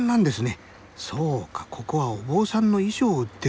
そうかここはお坊さんの衣装を売ってるんだ。